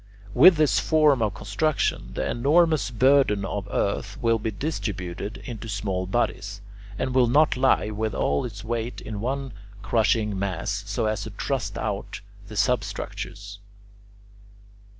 With this form of construction, the enormous burden of earth will be distributed into small bodies, and will not lie with all its weight in one crushing mass so as to thrust out the substructures.